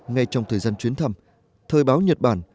ngay trong thời gian chuyến thăm thời báo nhật bản